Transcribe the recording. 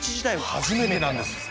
初めてなんです。